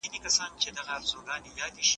دولت باید د خلګو په خدمت کي وي.